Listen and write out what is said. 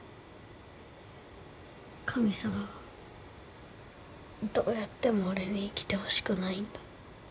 神様はどうやっても俺に生きてほしくないんだ。